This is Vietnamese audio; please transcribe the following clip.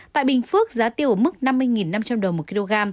tại bình phước giá tiêu ở mức năm mươi năm trăm linh đồng một kg